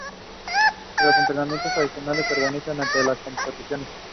Los entrenamientos adicionales se organizan antes de las competiciones.